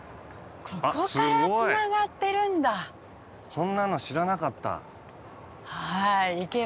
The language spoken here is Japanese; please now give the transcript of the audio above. こんなの知らなかった。